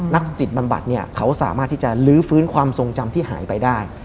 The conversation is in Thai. นักจิตบำบัดเนี่ยเขาสามารถที่จะลื้อฟื้นความทรงจำที่หายไปได้